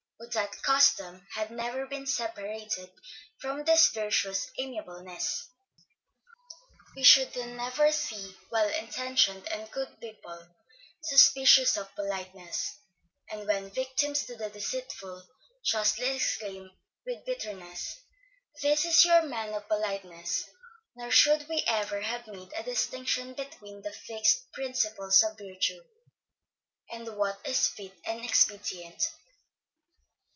Would that custom had never been separated from this virtuous amiableness! We should then never see well intentioned and good people suspicious of politeness; and when victims to the deceitful, justly exclaim with bitterness, This is your man of politeness; nor should we ever have made a distinction between the fixed principles of virtue, and what is fit and expedient.